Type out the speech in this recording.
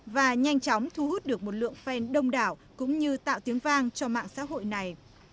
và nhanh chóng thu hút được một lượng phen đông đảo cũng như tạo tiếng vang cho mạng xã hội này